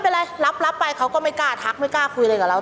มันก็ไม่เป็นไรรับไปเขาก็ไม่กล้าทักไม่กล้าคุยเลยกับเรา